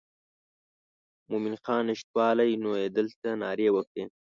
مومن خان نشتوالی نو یې دلته نارې وکړې.